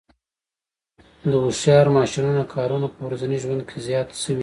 د هوښیار ماشینونو کارونه په ورځني ژوند کې زیات شوي دي.